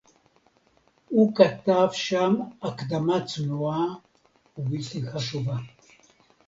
הוא כתב שם הקדמה צנועה ובלתי חשובה